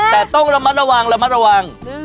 แต่ต้องระมัดระวังระมัดระวัง